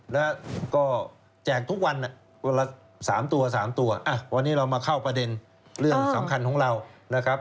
แล้วก็แจกทุกวันวันละ๓ตัว๓ตัววันนี้เรามาเข้าประเด็นเรื่องสำคัญของเรานะครับ